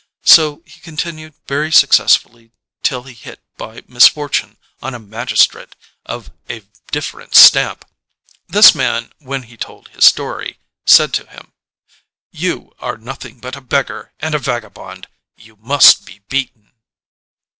So he continued very successfully till he hit by misfortune on a magistrate of a different stamp. This man when he told his story said to him : 107 ON A CHINESE SCEEEN "You are nothing but a beggar and a vagabond. You must be beaten."